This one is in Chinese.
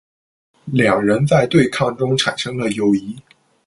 两人在对抗中产生了友谊。